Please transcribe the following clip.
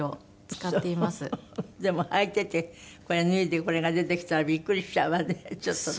でも履いててこれ脱いでこれが出てきたらビックリしちゃうわねちょっとね。